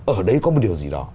ở đấy có một điều gì đó